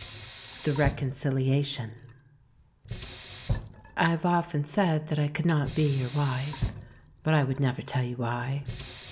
THE RECONCILIATION I HAYE often said that I could not be your wife, but I would never tell you why.